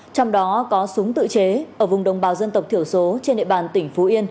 trong đó có súng tự chế ở vùng đồng bào dân tộc thiểu số trên địa bàn tỉnh phú yên